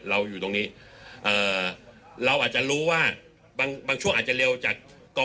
เราอยู่ตรงนี้เราอาจจะรู้ว่าบางบางช่วงอาจจะเร็วจากกอง